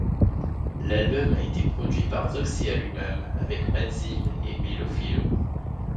L’album a été produit par Zoxea lui-même avec Madizm et Melopheelo.